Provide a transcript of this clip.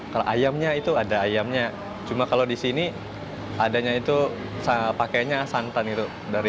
kalau ayamnya itu ada ayamnya cuma kalau di sini adanya itu pakainya santan gitu